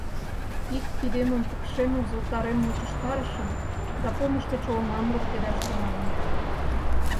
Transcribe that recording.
Ик кидемым пыкше нузылтарен мучыштарышым да помыш гыч олмам луктедаш тӱҥальым.